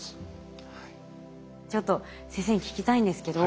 ちょっと先生に聞きたいんですけど。